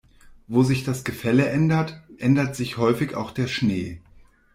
Wo sich das Gefälle ändert, ändert sich häufig auch der Schnee.